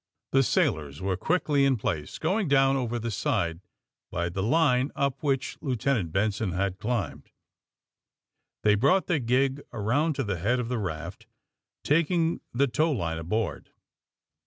'^ The sailors were quickly in place, going down over the side by the line up which Lieutenant Benson had climbed. They brought the gig around to the head of the raft, taking the tow line aboard.